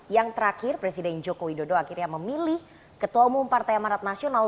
yang terakhir presiden joko widodo akhirnya memilih ketomu partai marat nasional